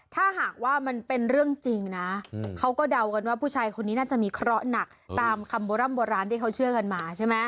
ถ้าหากว่ามันเป็นเรื่องจริงนะเขาก็เดากันว่าผู้ชายคนนี้น่าจะมีเคราะห์หนักตามคำโบร่ำโบราณที่เขาเชื่อกันมาใช่ไหม